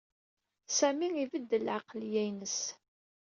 Sami ibeddel lɛeqleyya-ines.